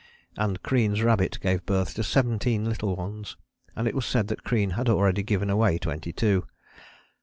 And Crean's rabbit gave birth to seventeen little ones, and it was said that Crean had already given away twenty two.